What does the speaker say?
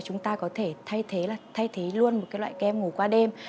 chúng ta có thể thay thế luôn một loại kem ngủ qua đêm